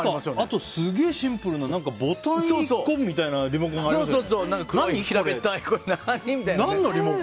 あと、すげえシンプルなボタン１個みたいなリモコン、ありますよね。